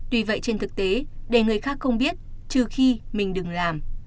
tuy vậy trên thực tế để người khác không biết trừ khi mình đừng làm